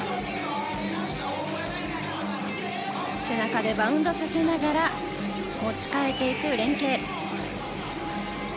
背中でバウンドさせながら持ち替えていく連係。